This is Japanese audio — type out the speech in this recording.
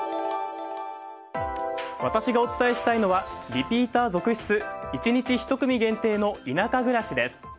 私がお伝えしたいのはリピーター続出１日１組限定の田舎暮らしです。